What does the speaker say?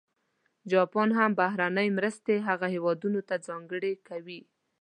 جاپان هم بهرنۍ مرستې هغه هېوادونه ته ځانګړې کوي.